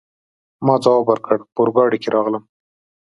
ما ځواب ورکړ: په اورګاډي کي راغلم.